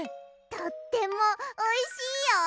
とってもおいしいよ。